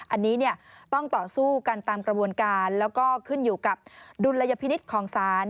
อันนี้ต้องต่อสู้กันตามกระบวนการแล้วก็ขึ้นอยู่กับดุลยพินิษฐ์ของศาล